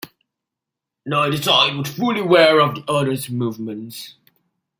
Neither side was fully aware of the other's movements.